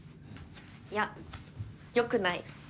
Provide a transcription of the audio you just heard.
いやよくない。